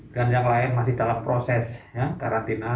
dan yang lain masih dalam proses karantina